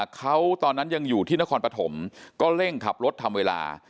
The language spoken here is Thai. เขาตอนนั้นยังอยู่ที่นครปฐมก็เร่งขับรถทำเวลา